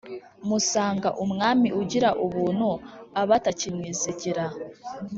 Musanga umwami ugira Ubuntu abatakimwizigira